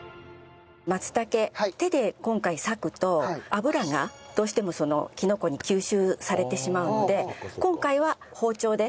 松茸手で今回割くと油がどうしてもキノコに吸収されてしまうので今回は包丁で。